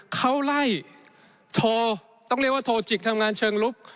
เขาไล่โทรต้องเรียกว่าโทรจิกทำงานเชิงลุก